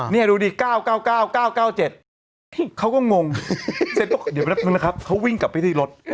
นี่ดูดิ๙๙๙๙๙๙๗เขาก็งงเสร็จปุ๊บเดี๋ยวแป๊บนึงนะครับเขาวิ่งกลับไปที่รถ